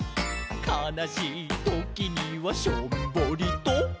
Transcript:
「かなしいときにはしょんぼりと」